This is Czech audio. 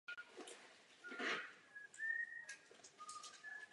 Nová kategorie by zkomplikovala situaci.